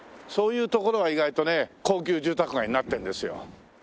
そういうところが意外とね高級住宅街になってんですよ。